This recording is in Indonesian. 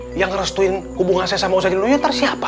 dia ngerestuin hubungan saya sama ustaz jaliludin nanti siapa